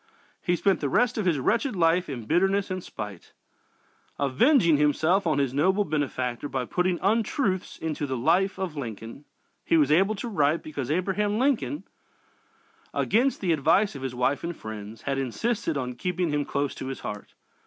He spent the rest of his wretched life in bitterness and spite avenging himself on his noble benefactor by putting untruths into the "Life of Lincoln" he was able to write because Abraham Lincoln, against the advice of his wife and friends, had insisted on keeping him close to his heart.